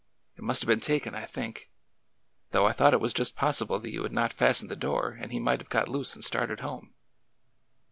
It must have been taken, I think, — though I thought it was just possible that you had not fastened the door and he might have got loose and started home."